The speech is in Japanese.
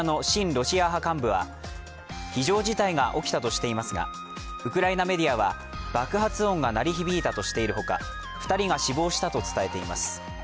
ロシア派幹部は非常事態が起きたとしていますが、ウクライナメディアは爆発音が鳴り響いたとしているほか２人が死亡したと伝えています。